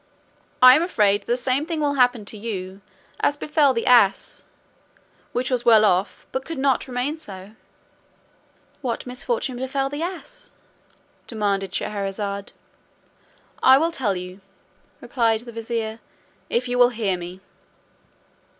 I am afraid the same thing will happen to you as befell the ass, which was well off, but could not remain so." "What misfortune befell the ass?" demanded Scheherazade. "I will tell you," replied the vizier, "if you will hear me."